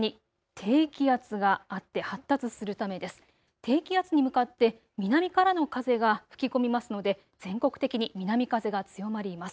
低気圧に向かって南からの風が吹き込みますので全国的に南風が強まります。